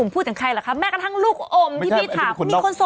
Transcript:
พูดถึงใครหรอคะแม้กระทั่งลูกอมที่พี่ถาม